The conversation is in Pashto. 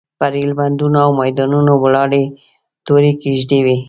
پر ایلبندونو او میدانونو ولاړې تورې کېږدۍ وې.